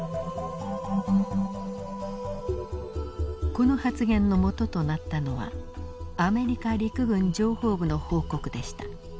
この発言の元となったのはアメリカ陸軍情報部の報告でした。